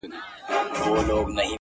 • په وطن کي که پاچا که واکداران دي ,